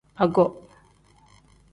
Ago.